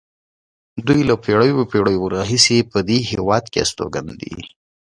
دوی له پېړیو پېړیو راهیسې په دې هېواد کې استوګن دي.